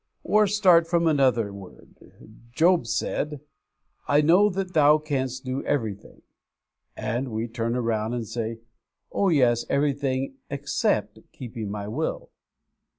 Or, start from another word. Job said, 'I know that Thou canst do everything,' and we turn round and say, 'Oh yes, everything except keeping my will!'